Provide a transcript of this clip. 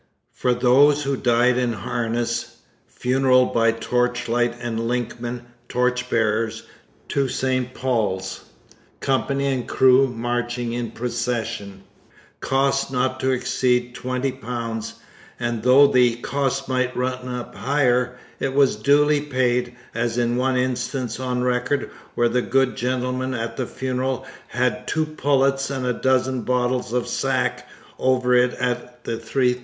For those who died in harness, 'funeral by torch light and linkmen [torchbearers] to St Paul's, Company and crew marching in procession, cost not to exceed £20'; and though the cost might run up higher, it was duly paid, as in one instance on record when the good gentlemen at the funeral had '2 pullets and a dozen bottles of sack' over it at the Three Tuns.